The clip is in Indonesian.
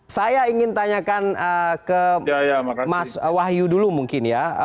saya ingin tanyakan ke mas wahyu dulu mungkin ya